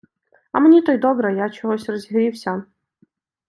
А мені то й добре, я чогось розігрівся.